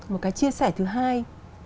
một cái chia sẻ thứ hai